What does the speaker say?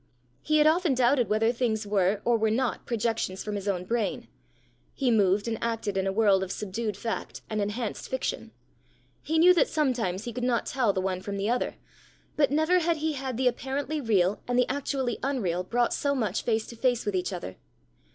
He had often doubted whether things were or were not projections from his own brain; he moved and acted in a world of subdued fact and enhanced fiction; he knew that sometimes he could not tell the one from the other; but never had he had the apparently real and the actually unreal brought so much face to face with each other!